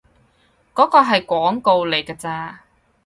嗰個係廣告嚟㗎咋